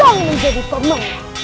yang menjadi penuh